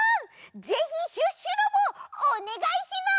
ぜひシュッシュのもおねがいします！